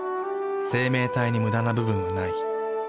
生命体にムダな部分はない。